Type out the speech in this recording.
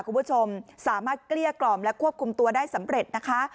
คุณผู้ชมสามารถเกลี้ยกล่อมและควบคุมตัวได้สำเร็จนะคะ